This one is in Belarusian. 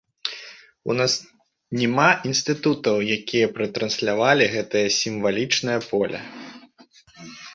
У нас няма інстытутаў, якія б рэтранслявалі гэтае сімвалічнае поле.